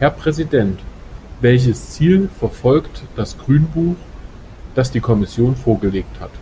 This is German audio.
Herr Präsident, welches Ziel verfolgt das Grünbuch, das die Kommission vorgelegt hat?